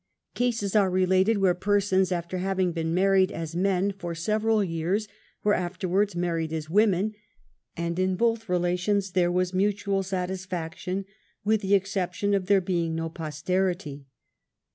Cases are related where persons after having been married as men for several \ years, were afterwards married as women, and in both; relations there was mutual satisfaction, with the ex , ception of there being no posterity.